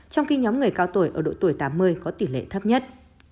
trong khi nhóm người cao tuổi ở độ tuổi tám mươi có tỷ lệ thấp nhất